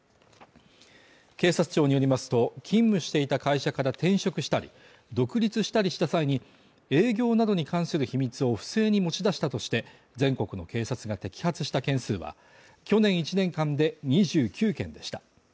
警察庁によりますと、勤務していた会社から転職したり、独立したりした際に営業などに関する秘密を不正に持ち出したとして、全国の警察が摘発した件数は、去年１年間で２９件でした。